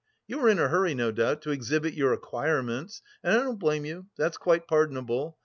You are in a hurry, no doubt, to exhibit your acquirements; and I don't blame you, that's quite pardonable.